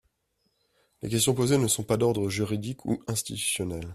Les questions posées ne sont pas d’ordre juridique ou institutionnel.